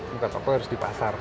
buka toko harus di pasar